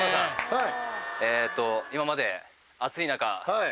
はい。